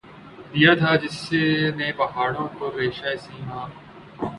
دیا تھا جس نے پہاڑوں کو رعشۂ سیماب